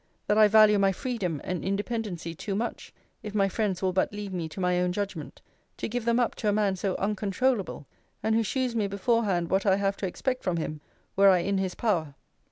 That I value my freedom and independency too much, if my friends will but leave me to my own judgment, to give them up to a man so uncontroulable, and who shews me beforehand what I have to expect from him, were I in his power.